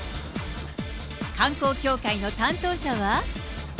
観光協会の担当者は。